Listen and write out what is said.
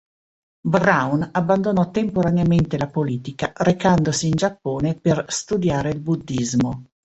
Brown abbandonò temporaneamente la politica recandosi in Giappone per studiare il buddhismo.